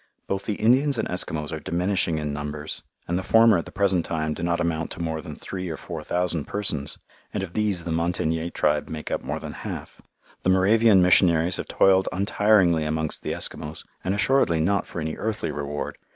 Both the Indians and Eskimos are diminishing in numbers, and the former at the present time do not amount to more than three or four thousand persons and of these the Montagnais tribe make up more than half. The Moravian missionaries have toiled untiringly amongst the Eskimos, and assuredly not for any earthly reward.